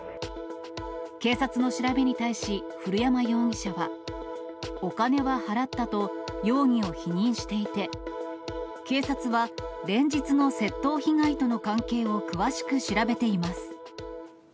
警察の調べに対し古山容疑者は、お金は払ったと、容疑を否認していて、警察は連日の窃盗被害との関係を詳しく調べています。